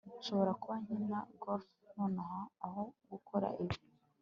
nshobora kuba nkina golf nonaha aho gukora ibi